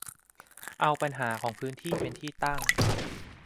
เอาปัญหาของพื้นที่เป็นที่ตั้ง